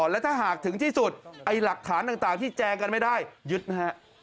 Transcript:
และถ้าหากถึงที่สุดไอ้หลักฐานต่างที่แจงกันไม่ได้ยึดนะฮะ